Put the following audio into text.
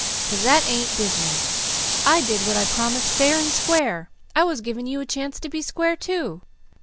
" "'Cause that ain't business! I did what I promised fair and square; I was giving you a chance to be square too.